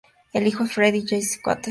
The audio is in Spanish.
Es hijo de Fred y Joyce Coates.